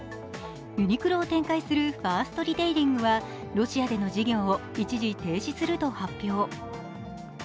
ユニクロを展開するファーストリテイリングは、ロシアでの事業を一時停止すると発表。